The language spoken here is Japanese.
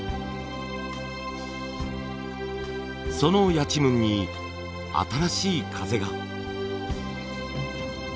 そのやちむんに新しい風が。